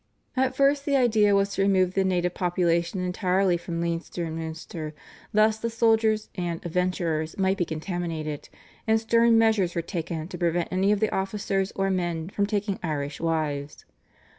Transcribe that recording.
At first the idea was to remove the native population entirely from Leinster and Munster lest the soldiers and "adventurers" might be contaminated, and stern measures were taken to prevent any of the officers or men from taking Irish wives.